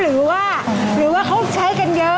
หรือว่าเขาใช้กันเยอะ